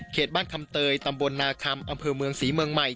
บ้านคำเตยตำบลนาคำอำเภอเมืองศรีเมืองใหม่